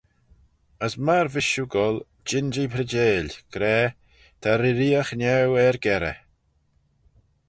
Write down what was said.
As myr vees shiu goll, jean-jee preacheil, gra, Ta reeriaght niau er-gerrey.